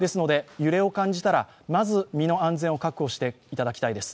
揺れを感じたらまず身の安全を確保していただきたいです。